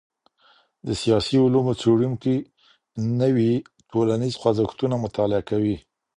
د سياسي علومو څېړونکي نوي ټولنيز خوځښتونه مطالعۀ کوي.